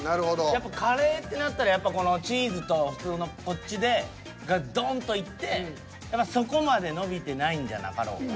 やっぱりカレーってなったらこのチーズと普通のこっちがドーンといってそこまで伸びてないんじゃなかろうか。